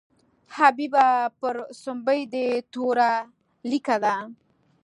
حبیبه پر سومبۍ دې توره لیکه ده.